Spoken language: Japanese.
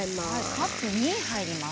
カップ２入ります。